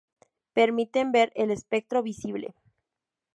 Permiten ver el espectro visible.